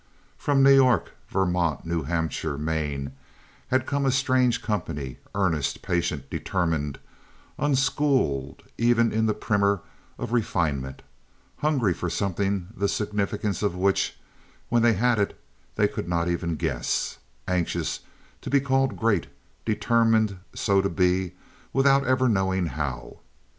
From New York, Vermont, New Hampshire, Maine had come a strange company, earnest, patient, determined, unschooled in even the primer of refinement, hungry for something the significance of which, when they had it, they could not even guess, anxious to be called great, determined so to be without ever knowing how.